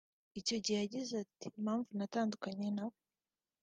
Icyo gihe yagize ati “Impamvu natandukanye na we